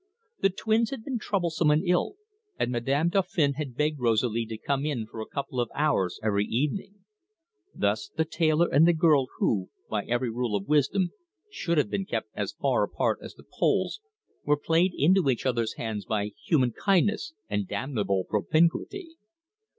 The twins had been troublesome and ill, and Madame Dauphin had begged Rosalie to come in for a couple of hours every evening. Thus the tailor and the girl who, by every rule of wisdom, should have been kept as far apart as the poles, were played into each other's hands by human kindness and damnable propinquity.